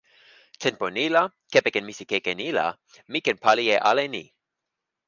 tenpo ni la, kepeken misikeke ni la, mi ken pali e ale ni!